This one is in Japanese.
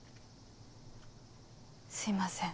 すいません。